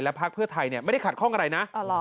และพพไทยไม่ได้ขาดคล่องอะไรนะ